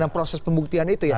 dan proses pembuktian itu ya